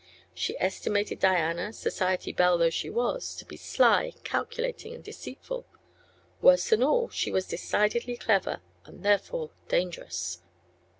She estimated Diana, society belle though she was, to be sly, calculating and deceitful. Worse than all, she was decidedly clever, and therefore dangerous.